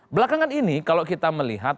belakangan ini kalau kita melihat